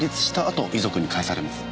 あと遺族に返されます。